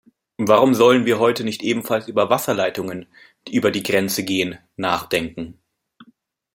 Warum sollen wir heute nicht ebenfalls über Wasserleitungen, die über die Grenze gehen, nachdenken?